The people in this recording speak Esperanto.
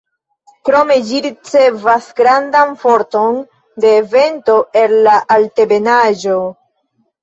Krome ĝi ricevas grandan forton de vento el la Altebenaĵo.